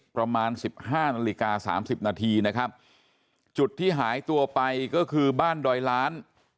ประมาณ๑๕นาฬิกา๓๐นาทีนะครับจุดที่หายตัวไปก็คือบ้านดอยร้าน